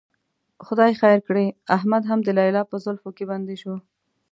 خدای خیر کړي، احمد هم د لیلا په زلفو کې بندي شو.